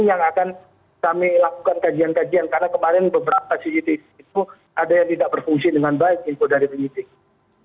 yang akan kami lakukan kajian kajian karena kemarin beberapa cctv itu ada yang tidak berfungsi dengan baik info dari penyidik